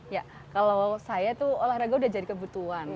ya kalau saya tuh olahraga udah jadi kebutuhan